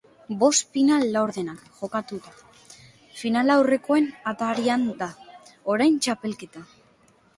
Bost final laurdenak jokatuta, finalaurrekoen atarian da orain txapelketa.